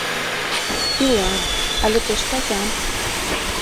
Ила, але пеш таза.